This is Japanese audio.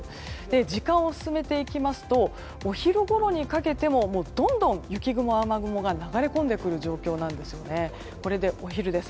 時間を進めていきますとお昼ごろにかけてもどんどん雪雲、雨雲が流れ込んでくる状況です。